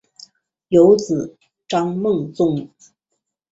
有子张孟中。